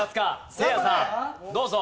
せいやさんどうぞ。